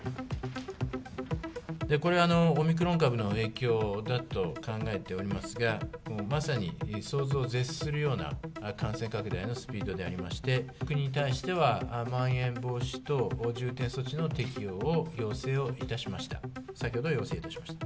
これはオミクロン株の影響だと考えておりますが、まさに想像を絶するような感染拡大のスピードでありまして、国に対しては、まん延防止等重点措置の適用を、要請をいたしました。